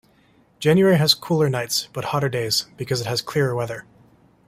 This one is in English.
January has cooler nights but hotter days because it has clearer weather.